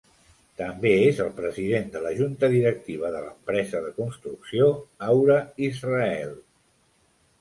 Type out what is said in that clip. També és el president de la junta directiva de l'empresa de construcció Aura Israel.